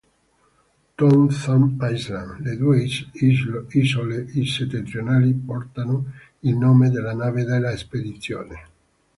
Tom Thumb Islands, le due isole settentrionali, portano il nome della nave della spedizione.